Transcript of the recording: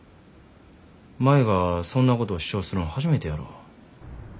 舞がそんなことを主張するん初めてやろ。